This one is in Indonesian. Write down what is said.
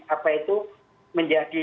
apa itu menjadi